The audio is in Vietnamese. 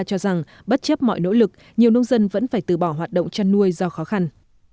chấp mọi nỗ lực nhiều nông dân vẫn phải từ bỏ hoạt động chăn nuôi do khó khăn